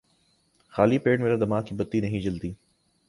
خالی پیٹ میرے دماغ کی بتی نہیں جلتی